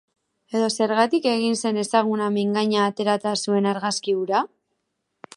Edo zergatik egin zen ezaguna mingaina aterata zuen argazki hura?